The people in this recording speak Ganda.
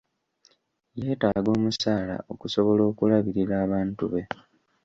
Yeetaaga omusaala okusobola okulabirira abantu be.